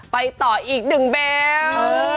ไปต่ออีกหนึ่งแบล